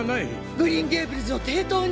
グリーン・ゲイブルズを抵当に！？